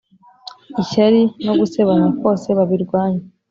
ishyari no gusebanya kose babirwanye